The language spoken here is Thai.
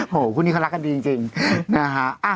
คู่นี้เขารักกันดีจริงนะฮะ